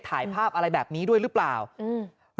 ถ่ายภาพอะไรแบบนี้ด้วยหรือเปล่าอืม